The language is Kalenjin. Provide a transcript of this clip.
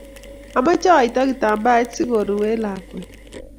Amache aito kitambaet siko ruwe lakwet